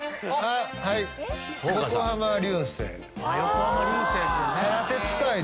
はい！